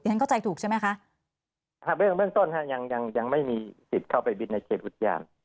ฉันเข้าใจถูกใช่ไหมคะครับเรื่องเบื้องต้นฮะยังยังยังไม่มีสิทธิ์เข้าไปบินในเขตอุทยาน